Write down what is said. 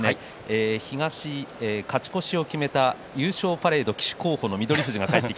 東勝ち越しを決めた優勝パレードを旗手候補の翠